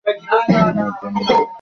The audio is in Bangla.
আমার জন্য তুমিই ভালো হবে।